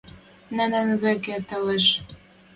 Нӹнӹн вӹкӹ толеш